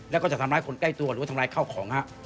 แล้วก็จะทำร้ายคนใกล้ตัวหรือว่าทำร้ายข้าวของฮะ